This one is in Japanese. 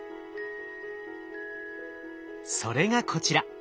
それがこちら。